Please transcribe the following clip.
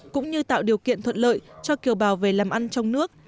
cũng như tạo điều kiện thuận lợi cho kiều bào về làm ăn trong nước